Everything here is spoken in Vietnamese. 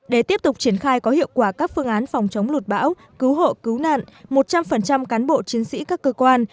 để tiếp tục triển khai có hiệu quả các phương án phòng chống lụt bão cứu hộ cứu nạn một trăm linh cán bộ chiến sĩ các cơ quan